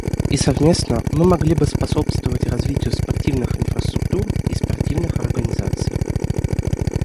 И совместно мы могли бы способствовать развитию спортивных инфраструктур и спортивных организаций.